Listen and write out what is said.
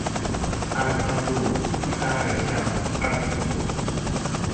安康路三二巷二四弄